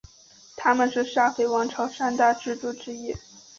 他们是萨非王朝三大支柱之一。